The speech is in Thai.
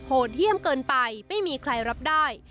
เยี่ยมเกินไปไม่มีใครรับได้